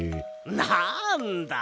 なんだ！